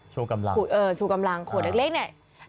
ชูกำลังโขดเล็กเนี่ย